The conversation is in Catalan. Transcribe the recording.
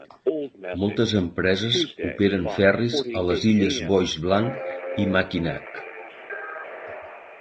Moltes empreses operen ferris a les illes Bois Blanc i Mackinac.